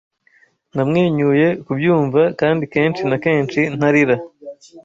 Namwenyuye kubyumva kandi kenshi na kenshi ntarira!